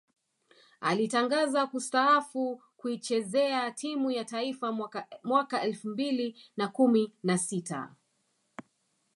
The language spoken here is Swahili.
Alitangaza kustaafu kuichezea timu ya taifa mwaka elfu mbili na kumi na sita